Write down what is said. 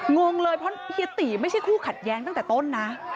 งงเลยเพราะเฮียตีไม่ใช่คู่ขัดแย้งตั้งแต่ต้นนะ